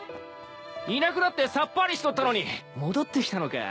いなくなってさっぱりしとったのに戻ってきたのか。